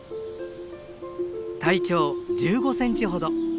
体長１５センチほど。